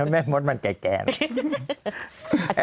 แม่มดมันแก่นะ